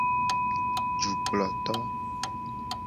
Dukploto.